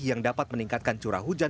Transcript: yang dapat meningkatkan curah hujan